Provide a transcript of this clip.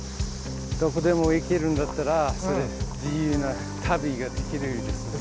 どこでも行けるんだったら自由な旅ができるですね。